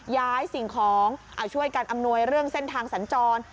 สิ่งของช่วยกันอำนวยเรื่องเส้นทางสัญจร